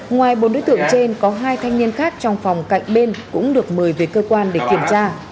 ngoài bốn đối tượng trên có hai thanh niên khác trong phòng cạnh bên cũng được mời về cơ quan để kiểm tra